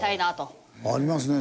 ありますね